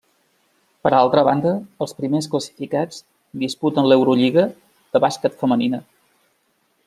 Per altra banda, els primers classificats disputen l'Eurolliga de bàsquet femenina.